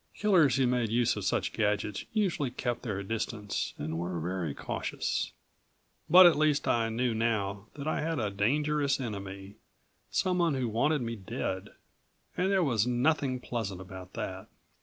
Killers who made use of such gadgets usually kept their distance, and were very cautious. But at least I knew now that I had a dangerous enemy, someone who wanted me dead. And there was nothing pleasant about that.